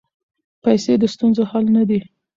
پیسې د ستونزو حل نه دی.